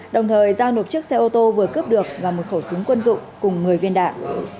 đồng thời giao nộp chiếc xe ô tô vừa cướp được và một khẩu súng quân dụng cùng một mươi viên đạn